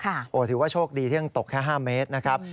ถือว่าโชคดีที่ยังตกแค่๕เมตรนะครับ